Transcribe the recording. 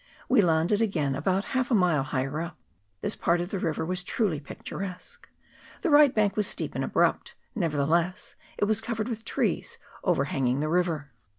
We landed again about half a mile higher up. This part of the river was truly pic turesque. The right bank was steep and abrupt, nevertheless it was covered with trees overhanging the river.